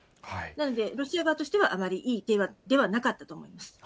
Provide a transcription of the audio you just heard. なので、ロシア側としてはあまりいい手ではなかったと思います。